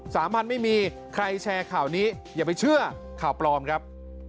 สามัญไม่มีใครแชร์ข่าวนี้อย่าไปเชื่อข่าวปลอมครับ